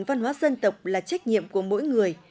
văn hóa dân tộc là trách nhiệm của mỗi người